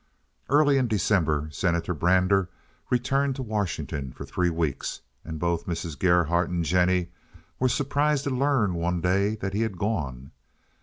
Early in December Senator Brander returned to Washington for three weeks, and both Mrs. Gerhardt and Jennie were surprised to learn one day that he had gone.